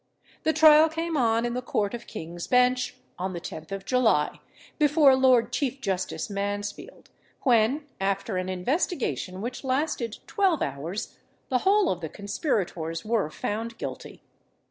The trial came on in the Court of King's Bench, on the 10th of July, before Lord Chief Justice Mansfield, when, after an investigation which lasted twelve hours, the whole of the conspirators were found guilty.